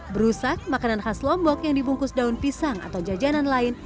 berusak makanan khas lombok yang dibungkus daun pisang atau jajanan lain